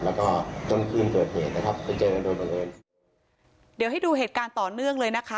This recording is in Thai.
แล้วก็ต้นคืนเกิดเหตุนะครับไปเจอกันโดยบังเอิญเดี๋ยวให้ดูเหตุการณ์ต่อเนื่องเลยนะคะ